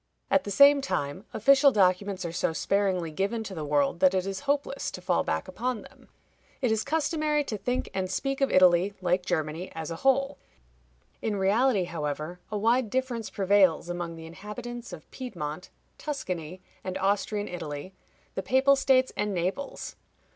At the same time, official documents are so sparingly given to the world that it is hopeless to fall back upon them. It is customary to think and speak of Italy, like Germany, as a whole. In reality, however, a wide difference prevails among the inhabitants of Piedmont, Tuscany, and Austrian Italy, the Papal States, and Naples.